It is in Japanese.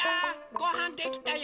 ごはんできたよ！